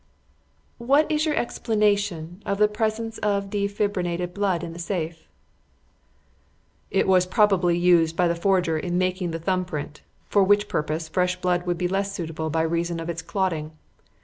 "What is your explanation of the presence of defibrinated blood in the safe?" "It was probably used by the forger in making the thumb print, for which purpose fresh blood would be less suitable by reason of its clotting.